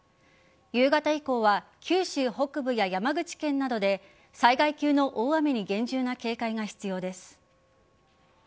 夕方以降は九州北部や山口県などで災害級の大雨に厳重な警戒が必要です。